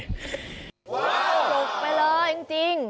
จุกไปเลยจริง